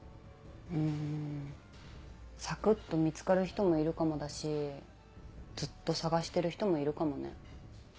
うんさくっと見つかる人もいるかもだしずっと探してる人もいるかもね。